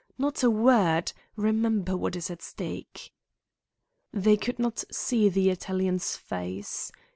Not a word! Remember what is at stake." They could not see the Italian's face.